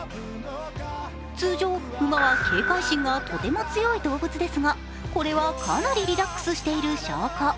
通常、馬は警戒心がかなり高い動物ですがこれはかなりリラックスしている証拠。